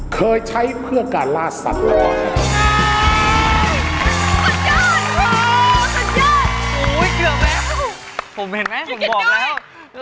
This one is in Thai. ผมเห็นมั้ยผมบอกแล้ว